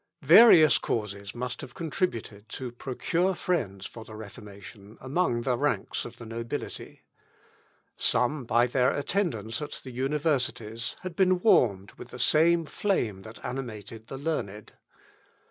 Various causes must have contributed to procure friends for the Reformation among the ranks of the nobility. Some, by their attendance at the universities, had been warmed with the same flame that animated the learned.